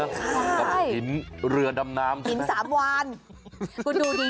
ใช่หินสามวานเรือดำน้ำคุณดูดี